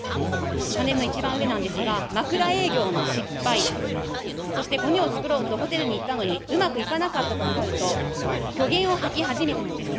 パネルの一番上なんですが、枕営業の失敗、そしてコネを作ろうとホテルに行ったのに、うまくいかなかったと分かると、虚言を吐き始めたのです。